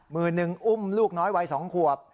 มือหนึ่งอุ้มลูกน้อยวัย๒ขวบ